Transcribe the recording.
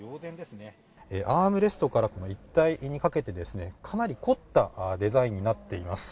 アームレストから一帯にかけてかなり凝ったデザインになっています。